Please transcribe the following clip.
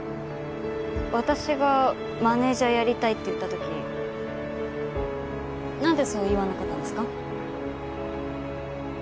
私がマネージャーやりたいって言った時なんでそう言わなかったんですか？